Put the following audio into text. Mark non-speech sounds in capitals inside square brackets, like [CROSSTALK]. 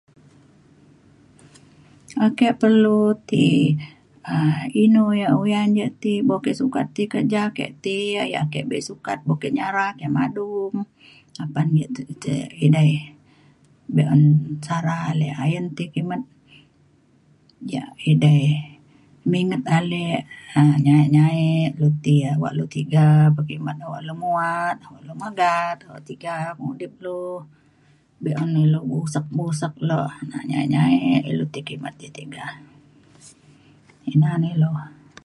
Ake perlu ti um inu ya [UNINTELLIGIBLE] ya ti bo ke sukat ti kerja ake ti ya ya ke bek sukat bok ke nyara [UNINTELLIGIBLE] apan ya [UNINTELLIGIBLE] inei be'un sara ale ayen ti kimet ya idei minet ale um nyai' nyai' ulu ti ya wak ulu tiga pekimet ulu nuwat lu magat tiga urip ulu be'un ulu Musek musek lah nyai' nyai' ulu ti kimet te tiga inah neh lu.